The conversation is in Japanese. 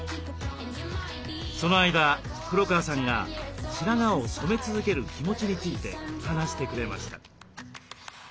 その間黒川さんが白髪を染め続ける気持ちについて話してくれました。